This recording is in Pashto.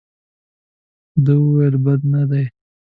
ده وویل بد نه دي.